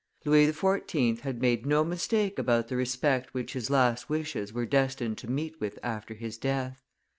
Louis XIV. had made no mistake about the respect which his last wishes were destined to meet with after his death.